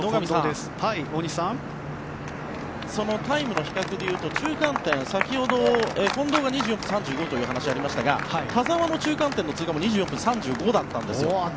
そのタイムの比較でいうと中間点、先ほど近藤が２４分３５秒という話がありましたが田澤の中間点の通過も２４分３５秒だったんです。